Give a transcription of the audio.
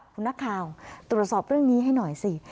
คุณนักข่าวตรวจสอบเรื่องนี้ให้หน่อยสิ